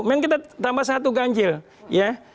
man kita tambah satu ganjil ya